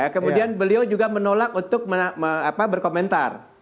kemudian beliau juga menolak untuk berkomentar